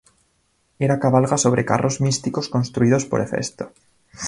Hera cabalga sobre carros místicos construidos por Hefesto.